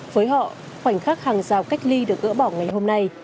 với họ khoảnh khắc hàng rào cách ly được gỡ bỏ ngày hôm nay